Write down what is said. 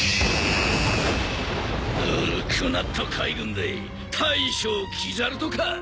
ぬるくなった海軍で大将黄猿とか。